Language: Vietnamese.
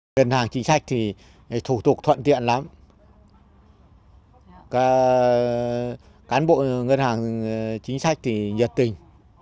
ngân hàng chính sách thì thủ tục thuận tiện lắm các cán bộ ngân hàng chính sách thì nhiệt tình